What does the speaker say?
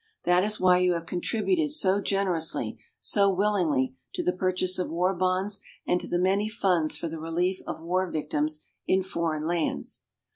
That is why you have contributed so generously, so willingly, to the purchase of war bonds and to the many funds for the relief of war victims in foreign lands.